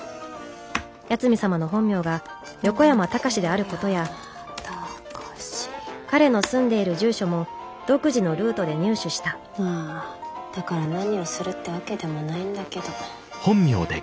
八海サマの本名が横山崇であることや彼の住んでいる住所も独自のルートで入手したまあだから何をするってわけでもないんだけど。